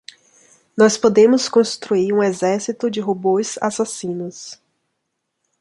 Nós podemos construir um exército de robôs assassinos.